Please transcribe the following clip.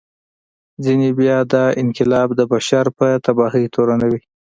ځینې بیا دا انقلاب د بشر په تباهي تورنوي.